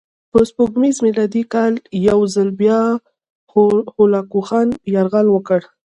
په سپوږمیز میلادي کال یو ځل بیا هولاکوخان یرغل وکړ.